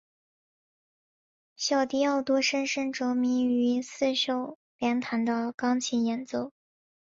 小狄奥多深深着迷于四手联弹的钢琴演奏。